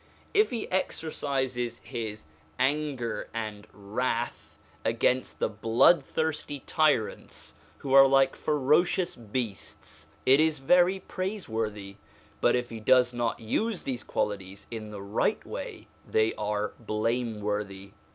If he exercises his anger and wrath against the bloodthirsty tyrants who are like ferocious beasts, it is very praiseworthy ; but if he does not use these qualities in a right way, they are blameworthy.